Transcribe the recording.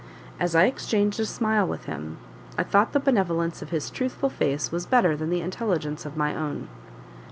As I exchanged a smile with him, I thought the benevolence of his truthful face was better than the intelligence of my own.